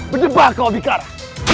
berdebak kau adhikara